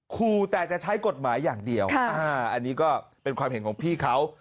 ครูแต่จะใช้กฎหมายอย่างเดียวอันนี้ก็เป็นความเห็นของพี่เขา